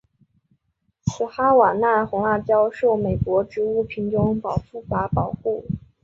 此哈瓦那红辣椒受美国植物品种保护法保护。